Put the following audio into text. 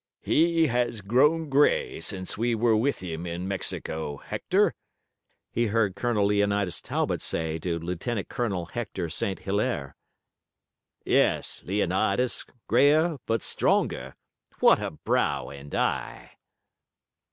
"He has grown gray since we were with him in Mexico, Hector," he heard Colonel Leonidas Talbot say to Lieutenant Colonel Hector St. Hilaire. "Yes, Leonidas, grayer but stronger. What a brow and eye!"